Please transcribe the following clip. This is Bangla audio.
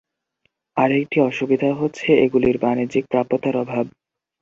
আরেকটি অসুবিধা হচ্ছে, এগুলির বাণিজ্যিক প্রাপ্যতার অভাব।